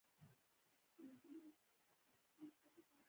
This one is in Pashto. د متل لرغونتیا زموږ د ژبې او خلکو تاریخ سره تړلې ده